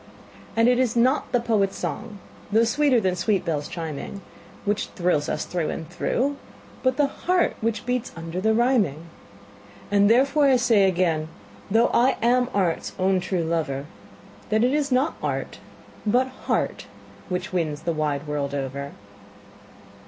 And it is not the poet's song, though sweeter than sweet bells chiming, Which thrills us through and through, but the heart which beats under the rhyming. And therefore I say again, though I am art's own true lover, That it is not art, but heart, which wins the wide world over.